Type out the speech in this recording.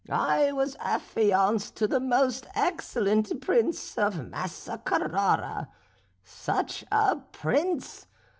"I was affianced to the most excellent Prince of Massa Carara. Such a prince!